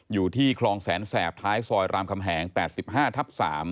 อยู่ที่คลองแสนแสบท้ายซอยรามคำแหง๘๕ทับ๓